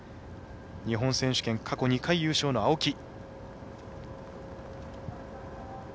日本選手権、過去２回優勝の青木。